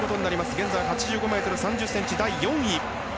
現在８５ｍ３０ｃｍ、第４位。